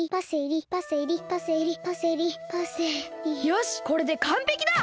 よしこれでかんぺきだ！